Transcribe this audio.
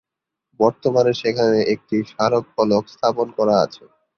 বর্তমানে সেখানে একটি স্মারক ফলক স্থাপন করা আছে।